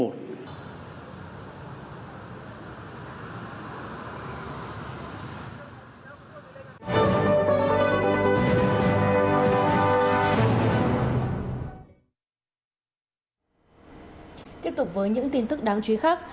tiếp tục với những tin tức đáng chú ý khác